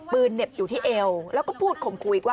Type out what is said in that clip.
เหน็บอยู่ที่เอวแล้วก็พูดข่มครูอีกว่า